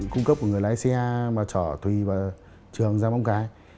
cung cấp của người lái xe mà chở thùy và trường ra bóng cái